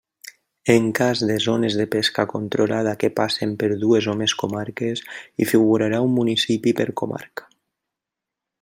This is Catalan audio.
En cas de zones de pesca controlada que passen per dues o més comarques, hi figurarà un municipi per comarca.